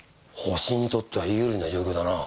ホシにとっては有利な状況だな。